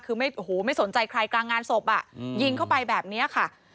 คือไม่สนใจใครกลางงานศพยิงเข้าไปแบบนี้ค่ะ